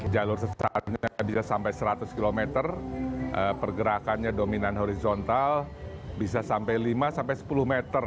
jalur sesarnya bisa sampai seratus km pergerakannya dominan horizontal bisa sampai lima sampai sepuluh meter